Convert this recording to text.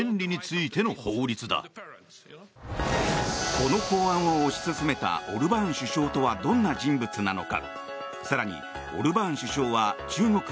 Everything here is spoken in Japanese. この法案を推し進めたオルバーン首相とはどんな人物なのか。